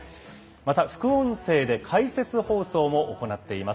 また副音声で解説放送も行っています。